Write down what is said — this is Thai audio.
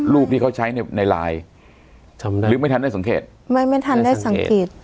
รูปที่เขาใช้ในในไลน์จำได้หรือไม่ทันได้สังเกตไม่ไม่ทันได้สังเกต